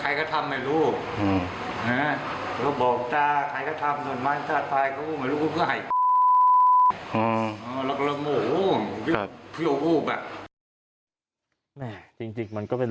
จริงมันก็เป็นรูปนะฮะ